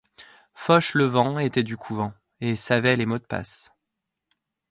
Fauchelevent était du couvent et savait les mots de passe.